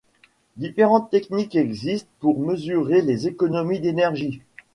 Différentes techniques existent pour mesurer les économies d'énergie.